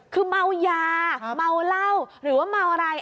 คือเมายาเมาเหล้าหรือว่าเมาอะไร